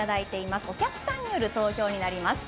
お客さんによる投票になります。